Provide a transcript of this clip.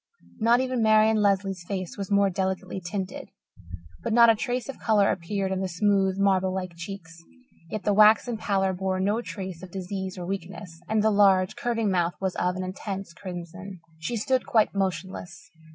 Not even Marian Lesley's face was more delicately tinted, but not a trace of colour appeared in the smooth, marble like cheeks; yet the waxen pallor bore no trace of disease or weakness, and the large, curving mouth was of an intense crimson. She stood quite motionless.